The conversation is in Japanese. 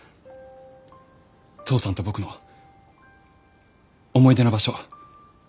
父さんと僕の思い出の場所。